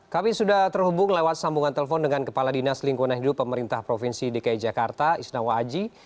kami sudah terhubung lewat sambungan telepon dengan kepala dinas lingkungan hidup pemerintah provinsi dki jakarta isnawa aji